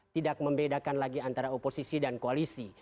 tidak membedakan lagi antara oposisi dan koalisi